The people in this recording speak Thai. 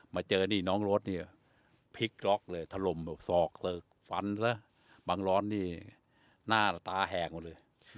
มาเจอนี่น้องรถเนี่ยพลิกล็อกเลยถล่มบอกศอกฟันซะบางร้อนนี่หน้าตาแหกหมดเลย